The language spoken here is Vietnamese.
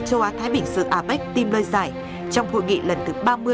châu á thái bình xưa apec tìm lơi giải trong hội nghị lần thứ ba mươi